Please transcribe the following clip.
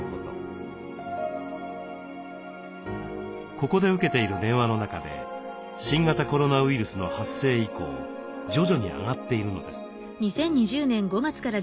ここで受けている電話の中で新型コロナウイルスの発生以降徐々に上がっているのです。